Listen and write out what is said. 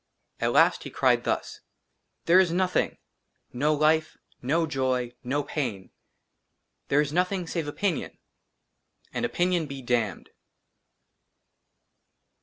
AT LAST HE CRIED THUS I " THERE IS NOTHING, '' NO LIFE, '' NO JOY, '* NO PAIN, '* THERE IS NOTHING SAVE OPINION, '* AND OPINION BE DAMNED."